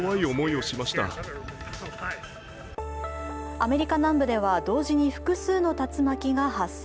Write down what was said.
アメリカ南部では同時に複数の竜巻が発生。